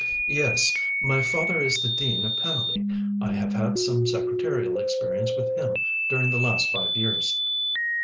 "Yes. My father is the Dean of Penally. I have had some secretarial experience with him during the last five years."